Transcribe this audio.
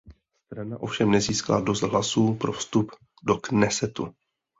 Strana ovšem nezískala dost hlasů pro vstup do Knesetu.